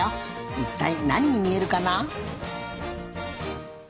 いったいなににみえるかな？